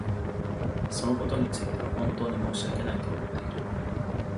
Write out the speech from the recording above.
そのことについては本当に申し訳ないと思っている。